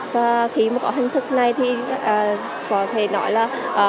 và khi mà có hình thức này thì có thể nói là